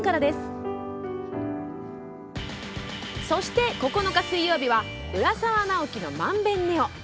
そして、９日水曜日は「浦沢直樹の漫勉ｎｅｏ」。